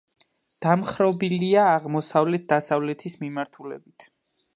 დამხრობილია აღმოსავლეთ-დასავლეთის მიმართულებით.